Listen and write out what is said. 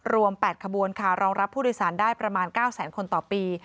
รวม๘ขบวนค่ะรองรับผู้โดยสารได้ประมาณ๙แสนคนต่อปี